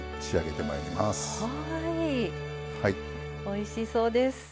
おいしそうです。